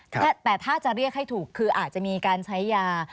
แต่ถ้าจะเรียกให้ถูกคืออาจจะมีการใช้ยา